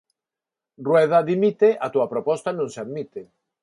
Rueda dimite, a túa proposta non se admite.